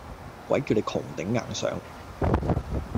鬼叫你窮頂硬上